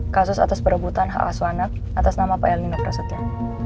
kasus atas perebutan hak asu anak atas nama pak el nino prasetya